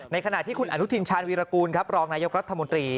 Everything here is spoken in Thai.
ขณะที่คุณอนุทินชาญวีรกูลครับรองนายกรัฐมนตรี